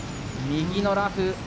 右のラフ。